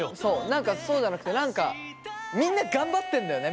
何かそうじゃなくて何かみんな頑張ってんだよね